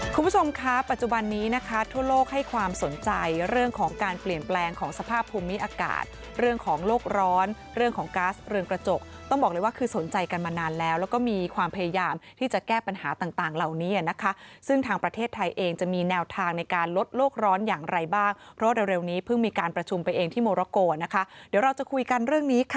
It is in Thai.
คุณผู้ชมคะปัจจุบันนี้นะคะทั่วโลกให้ความสนใจเรื่องของการเปลี่ยนแปลงของสภาพภูมิอากาศเรื่องของโลกร้อนเรื่องของก๊าซเรืองกระจกต้องบอกเลยว่าคือสนใจกันมานานแล้วแล้วก็มีความพยายามที่จะแก้ปัญหาต่างต่างเหล่านี้นะคะซึ่งทางประเทศไทยเองจะมีแนวทางในการลดโลกร้อนอย่างไรบ้างเพราะว่าเร็วนี้เพิ่งมีการประชุมไปเองที่โมรโกนะคะเดี๋ยวเราจะคุยกันเรื่องนี้ค่ะ